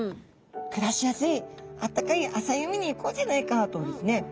暮らしやすいあったかい浅い海に行こうじゃないかとですね。